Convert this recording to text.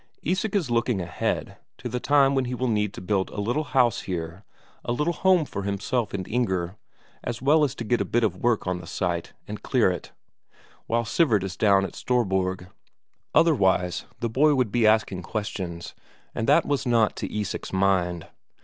Isak is looking ahead, to the time when he will need to build a little house here, a little home for himself and Inger, and as well to get to work a bit on the site, and clear it, while Sivert is down at Storborg. Otherwise the boy would be asking questions, and that was not to Isak's mind.